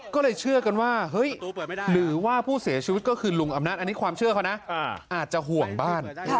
ก็เลยเชื่อกันว่าเฮ้ยหรือว่าผู้เสียชีวิตก็คือลุงอำนาจอันนี้ความเชื่อเขานะอาจจะห่วงบ้าน